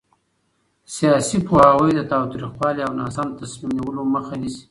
سیاسي پوهاوی د تاوتریخوالي او ناسم تصمیم نیولو مخه نیسي